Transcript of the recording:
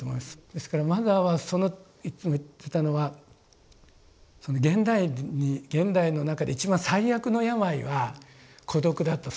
ですからマザーはいつも言ってたのはその現代に現代の中で一番最悪の病は孤独だと。